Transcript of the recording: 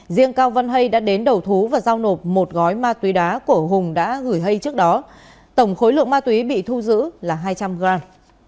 riêng cao văn hay đã đến đầu thú và giao nộp một gói ma túy đá của hùng đã gửi hay trước đó tổng khối lượng ma túy bị thu giữ là hai trăm linh gram